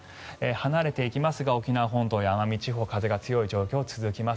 離れていきますが沖縄本島や奄美地方は風が強い状況が続きます。